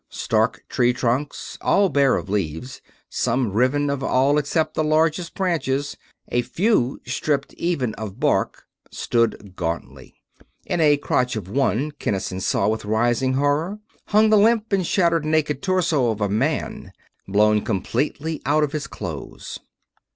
Stark tree trunks all bare of leaves, some riven of all except the largest branches, a few stripped even of bark stood gauntly. In a crotch of one, Kinnison saw with rising horror, hung the limp and shattered naked torso of a man; blown completely out of his clothes.